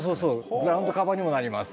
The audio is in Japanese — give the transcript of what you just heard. グラウンドカバーにもなります。